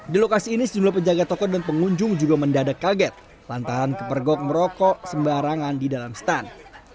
di lokasi ini sejumlah penjaga toko dan pengunjung juga mendadak kaget lantaran kepergok merokok sembarangan di dalam stand